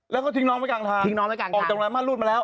แล้วก็ทิ้งน้องไปกลางทางออกจากน้ำห้ารูดมาแล้ว